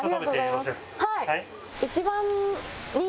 はい。